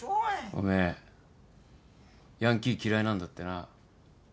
おめえヤンキー嫌いなんだってな？